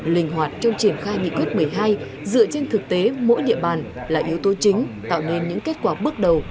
linh hoạt trong triển khai nghị quyết một mươi hai dựa trên thực tế mỗi địa bàn là yếu tố chính tạo nên những kết quả bước đầu